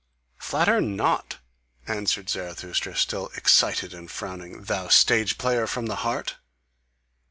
"Flatter not," answered Zarathustra, still excited and frowning, "thou stage player from the heart!